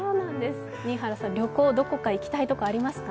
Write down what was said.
新原さん、旅行、どこか行きたいとこありますか？